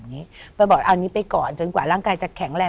ไปบอกเอานี้ไปก่อนจนกว่าร่างกายจะแข็งแรง